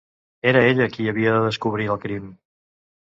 Era ella qui havia de descobrir el crim.